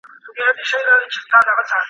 هغې په خپلو لاسو د زوی کمپله په ترتیب سمه کړه.